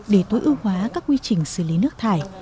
để tối ưu hóa các quy trình xử lý nước thải